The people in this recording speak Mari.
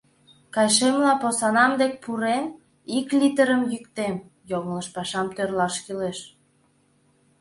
Кайышемла, посанам дек пурен, ик литрым йӱктем, йоҥылыш пашам тӧрлаш кӱлеш.